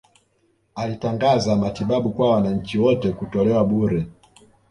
Alitangaza matibabu kwa wananchi wote kutolewa bure